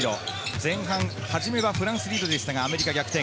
前半初めはフランスリードでしたが、アメリカ逆転。